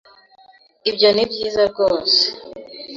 Ibyo ni byiza rwose.